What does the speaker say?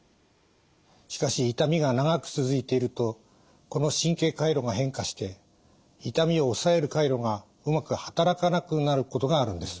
しかし痛みが長く続いているとこの神経回路が変化して痛みを抑える回路がうまく働かなくなることがあるんです。